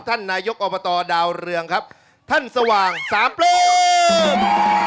ท่านนายกอบตดาวเรืองครับท่านสว่างสามเปรม